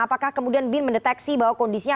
apakah kemudian bin mendeteksi bahwa kondisinya